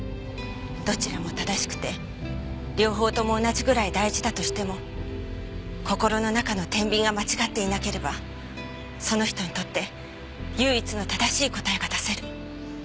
どちらも正しくて両方とも同じぐらい大事だとしても心の中の天秤が間違っていなければその人にとって唯一の正しい答えが出せる。